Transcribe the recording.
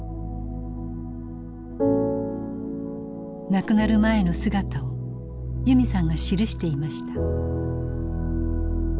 亡くなる前の姿を由美さんが記していました。